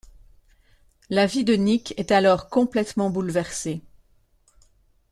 La vie de Nick est alors complètement bouleversée.